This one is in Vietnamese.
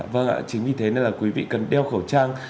vâng ạ chính vì thế nên là quý vị cần đeo khẩu trang